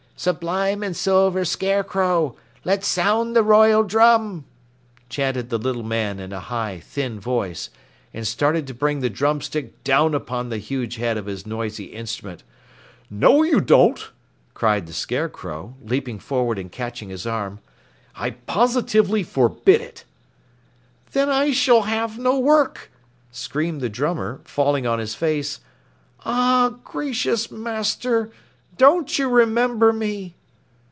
Sublime and silver Scarecrow, Let sound the royal drum! chanted the little man in a high, thin voice, and started to bring the drumstick down upon the huge head of his noisy instrument. "No you don't!" cried the Scarecrow, leaping forward and catching his arm. "I positively forbid it!" "Then I shall have no work!" screamed the drummer, falling on his face. "Ah, Gracious Master, don't you remember me?"